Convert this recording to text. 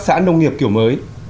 xã nông nghiệp kiểu mới